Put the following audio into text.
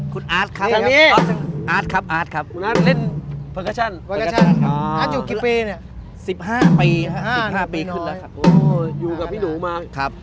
คุณเป็นอะไรครับนี่คุณอะไรครับ